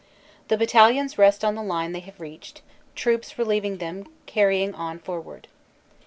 The battalions rest on the line they have reached, troops relieving them carrying on forward.